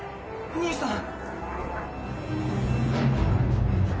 兄さん！